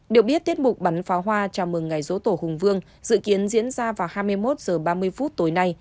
điều biết tiết mục bắn pháo hoa chào mừng ngày dỗ tổ hùng vương dự kiến diễn ra vào hai mươi một h ba mươi tối nay